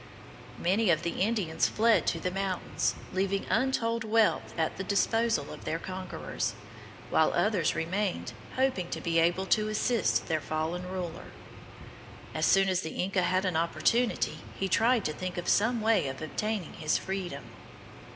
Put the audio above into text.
Many of the Indians fled to the mountains, leaving untold wealth at the disposal of their conquerors, while others remained, hoping to be able to assist their fallen ruler. As soon as the Inca had an opportunity, he tried to think of some way of obtaining his freedom.